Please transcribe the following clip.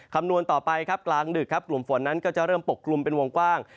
คำนวณต่อไปครับกลางดึกครับกลุ่มฝนนั้นก็จะเริ่มปกกลุ่มเป็นวงกว้าง